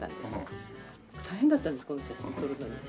大変だったんですこの写真撮るのに。